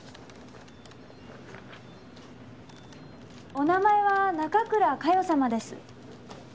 お名前は中倉佳世様です。